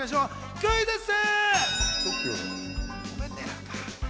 クイズッス！